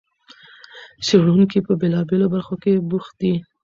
څېړونکي په بېلابېلو برخو کې بوخت دي.